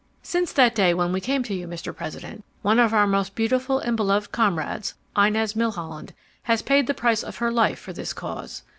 "Since that day when we came to you, Mr. President, one of our most beautiful and beloved comrades, Inez Milholland, has paid the price of her life for this cause.